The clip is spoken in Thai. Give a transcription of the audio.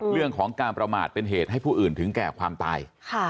เรื่องของการประมาทเป็นเหตุให้ผู้อื่นถึงแก่ความตาย